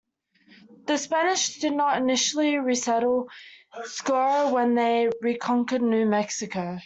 The Spanish did not initially resettle Socorro when they re-conquered New Mexico.